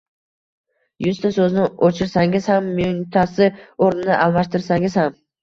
yuzta so’zni o’chirsangiz ham, mingtasi o’rnini almashtirsangiz ham